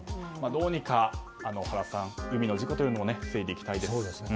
どうにか原さん、海の事故防いでいきたいですね。